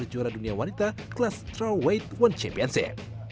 dan berjuara dunia wanita kelas trawweight one championship